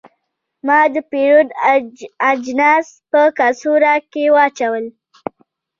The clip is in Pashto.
ما د پیرود اجناس په کڅوړه کې واچول.